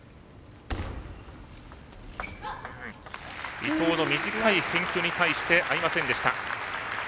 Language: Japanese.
伊藤の短い返球に対して合いませんでした。